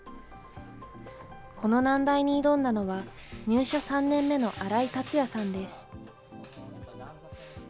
この難題に挑んだのは、入社３年目の新井達也さんです。